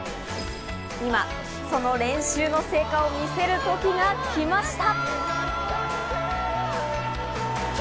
今その練習の成果を見せる時が来ました。